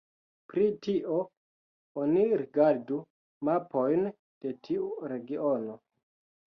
Pri tio oni rigardu mapojn de tiu regiono.